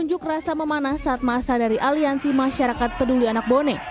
unjuk rasa memanah saat masa dari aliansi masyarakat peduli anak bone